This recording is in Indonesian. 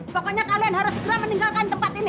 pokoknya kalian harus segera meninggalkan tempat ini